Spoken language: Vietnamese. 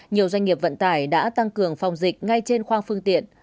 nhiều doanh nghiệp vận tải đã tăng cường phòng dịch ngay trên khoang phương tiện